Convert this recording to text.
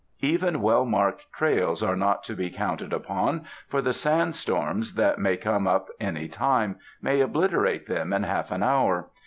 Even well marked trails are not to be counted upon, for the sand storms that may come up any time, may obliterate them in half an hour.